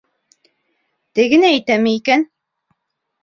Тегене әйтәме икән?